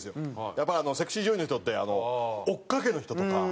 やっぱりセクシー女優の人って追っかけの人とか。